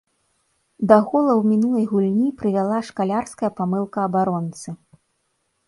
Да гола ў мінулай гульні прывяла шкалярская памылка абаронцы.